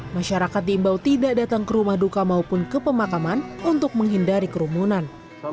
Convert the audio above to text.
masyarakat diimbau tidak datang ke rumah duka maupun ke pemakaman untuk menghindari kerumunan